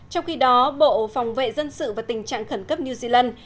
trong khi đó bộ phòng vệ dân sự và tình trạng khẩn cấp new zealand